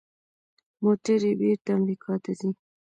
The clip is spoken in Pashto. موټرې بیرته امریکا ته ځي.